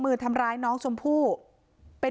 นี่แหละตรงนี้แหละ